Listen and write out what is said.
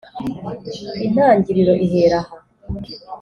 intangiriro ihera aha